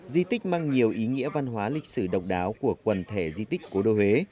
di tích mang nhiều ý nghĩa văn hóa lịch sử độc đáo của quần thể di tích cố đô huế